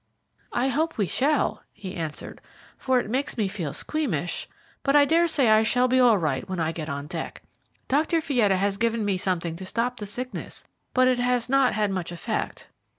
"I hope we shall," he answered, "for it makes me feel squeamish, but I daresay I shall be all right when I get on deck. Dr. Fietta has given me something to stop the sickness, but it has not had much effect."